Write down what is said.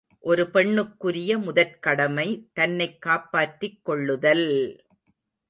ஒரு பெண்ணுக்குரிய முதற்கடமை தன்னைக் காப்பாற்றிக் கொள்ளுதல்!